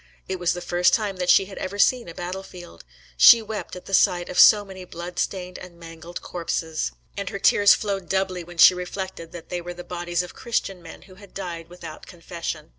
It was the first time that she had ever seen a battle field. She wept at the sight of so many blood stained and mangled corpses; and her tears flowed doubly when she reflected that they were the bodies of Christian men who had died without confession.